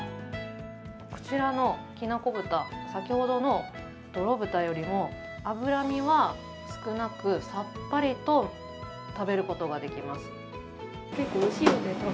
こちらの、きなこ豚先ほどの、どろぶたよりも脂身は少なくさっぱりと食べることができます。